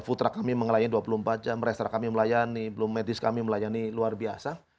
putra kami mengelayani dua puluh empat jam restora kami melayani belum medis kami melayani luar biasa